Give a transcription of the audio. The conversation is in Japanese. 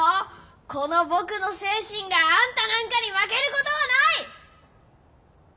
このぼくの精神があんたなんかに負けることはないッ！